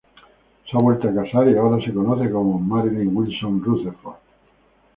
Se ha vuelto a casar y ahora se conoce como Marilyn Wilson-Rutherford.